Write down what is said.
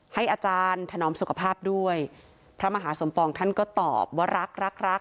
ให้อาจารย์ถนอมสุขภาพด้วยพระมหาสมปองท่านก็ตอบว่ารักรักรักรัก